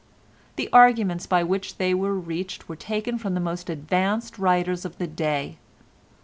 The arguments by which they were reached were taken from the most advanced writers of the day.